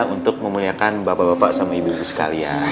untuk memuliakan bapak bapak sama ibu ibu sekalian